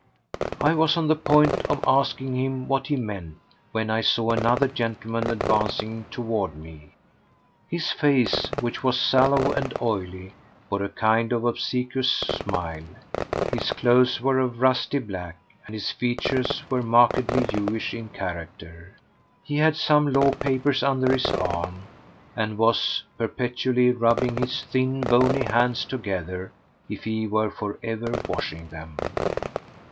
I was on the point of asking him what he meant when I saw another gentleman advancing toward me. His face, which was sallow and oily, bore a kind of obsequious smile; his clothes were of rusty black, and his features were markedly Jewish in character. He had some law papers under his arm, and he was perpetually rubbing his thin, bony hands together as if he were for ever washing them.